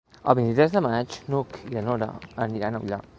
El vint-i-tres de maig n'Hug i na Nora aniran a Ullà.